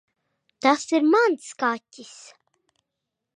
Tas ir mans kaķis.